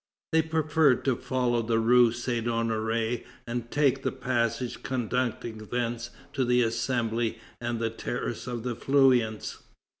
They preferred to follow the rue Saint Honoré and take the passage conducting thence to the Assembly and the terrace of the Feuillants.